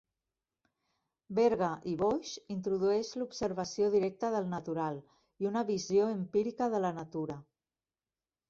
Berga i Boix introdueix l'observació directa del natural, i una visió empírica de la natura.